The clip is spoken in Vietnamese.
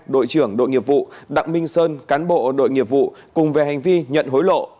đội trưởng đội nghiệp vụ đặng minh sơn cán bộ đội nghiệp vụ cùng về hành vi nhận hối lộ